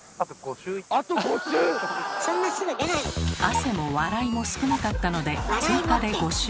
汗も笑いも少なかったので追加で５周。